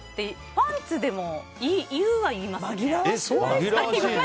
パンツでも言うは言いますよね。